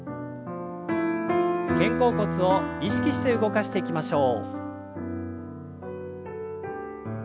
肩甲骨を意識して動かしていきましょう。